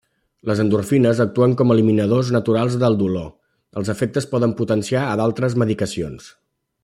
Les endorfines actuen com eliminadors naturals del dolor, els efectes poden potenciar el d'altres medicacions.